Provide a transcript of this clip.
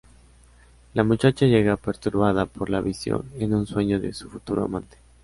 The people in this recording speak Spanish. La muchacha llega perturbada por la visión en un sueño de su futuro amante.